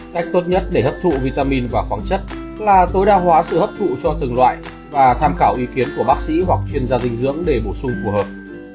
cách tốt nhất để hấp thụ vitamin và khoáng chất là tối đa hóa sự hấp thụ cho từng loại và tham khảo ý kiến của bác sĩ hoặc chuyên gia dinh dưỡng để bổ sung phù hợp